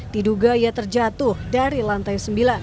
diduga ia terjatuh dari lantai sembilan